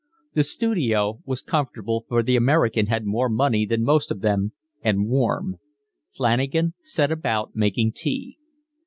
The studio was comfortable, for the American had more money than most of them, and warm; Flanagan set about making tea.